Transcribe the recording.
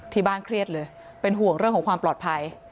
เครียดเลยเป็นห่วงเรื่องของความปลอดภัย